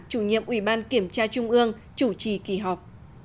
chủ nhiệm ủy ban kiểm tra trung ương chủ trì kỳ họp